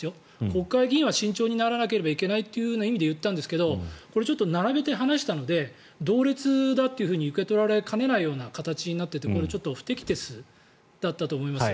国会議員は慎重にならなければいけないという意味で言ったんですけどこれ、ちょっと並べて話したので同一だと受け取られかねないような形になっていてこれ不適切だったと思います。